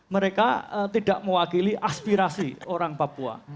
mereka tidak mewakili aspirasi orang papua